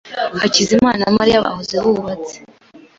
Hakizimana na Mariya bahoze bubatse.